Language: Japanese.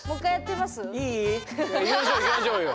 いい？いきましょういきましょうよ。